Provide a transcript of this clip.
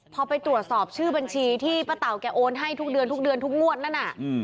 พอไปตรวจสอบชื่อบัญชีที่ป้าเต๋าแกโอนให้ทุกเดือนทุกเดือนทุกงวดนั่นน่ะ